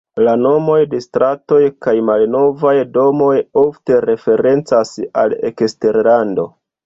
La nomoj de stratoj kaj malnovaj domoj ofte referencas al eksterlando.